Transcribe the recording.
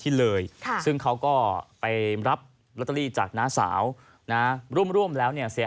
คือเรื่องนี้เป็นคดีอยู่เพราะว่าทางน้าสาวเค้าก็บอกไงบอกว่าเนี้ย